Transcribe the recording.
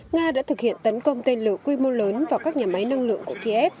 nga đã thực hiện tấn công tên lửa quy mô lớn vào các nhà máy năng lượng của kiev